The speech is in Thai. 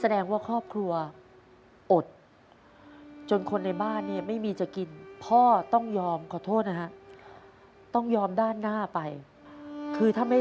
เอาไว้เป็นไว้ค่ะ